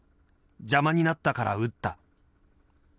邪魔になったから撃った。